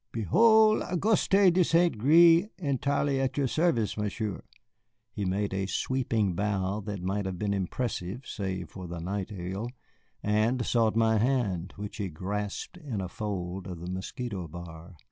Behol' Auguste de St. Gré, entirely at your service, Monsieur." He made a sweeping bow that might have been impressive save for the nightrail, and sought my hand, which he grasped in a fold of the mosquito bar.